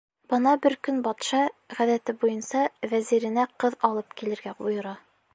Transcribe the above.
Бына бер көн батша, ғәҙәте буйынса, вәзиренә ҡыҙ алып килергә бойора.